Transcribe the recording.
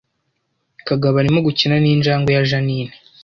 Kagabo arimo gukina ninjangwe ya Jeaninne